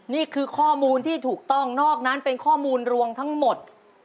นี่คือข้อมูลที่ถูกต้องนอกนั้นเป็นข้อมูลรวมทั้งหมด